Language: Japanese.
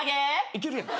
いけるやん。